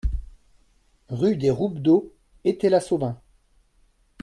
Rue des Roubdeaux, Étais-la-Sauvin